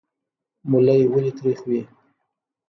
ملی ولې تریخ وي؟